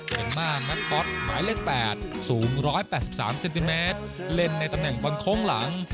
เมริกาแมคปอสหมายเลข๘สูง๑๘๓เซนติเมตรเล่นในตำแหน่งบนโค้งหลัง